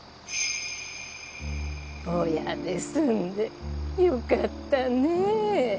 ボヤで済んでよかったね。